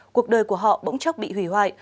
cuộc đời của họ bỗng chốc bị hủy hoại